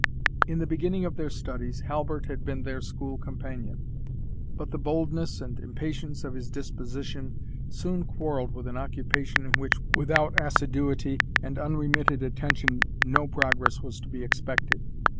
In the beginning of their studies, Halbert had been their school companion. But the boldness and impatience of his disposition soon quarrelled with an occupation in which, without assiduity and unremitted attention, no progress was to be expected.